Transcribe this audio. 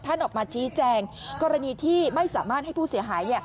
ออกมาชี้แจงกรณีที่ไม่สามารถให้ผู้เสียหาย